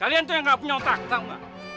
kalian tuh yang enggak punya otak tau gak